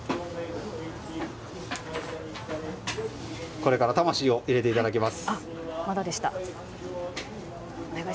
これから魂を入れていただきます。